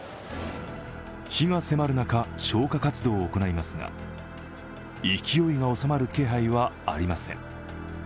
火が迫る中、消火活動を行いますが、勢いが収まる気配はありません。